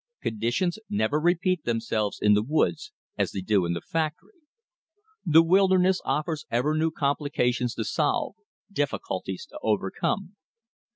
Conditions never repeat themselves in the woods as they do in the factory. The wilderness offers ever new complications to solve, difficulties to overcome.